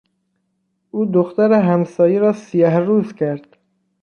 او دختر همسایه را سیه روز کرد.